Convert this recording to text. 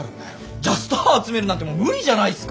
じゃあスター集めるなんてもう無理じゃないですか！